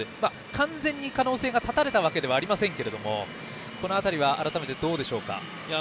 完全に可能性が断たれたわけではないですがこの辺りは改めて、どうでしょうか？